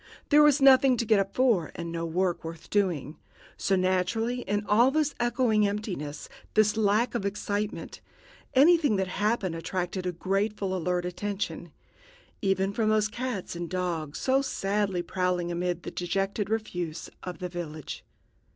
There was nothing to get up for, and no work worth doing. So, naturally, in all this echoing emptiness, this lack of excitement, anything that happened attracted a gratefully alert attention even from those cats and dogs so sadly prowling amid the dejected refuse of the village.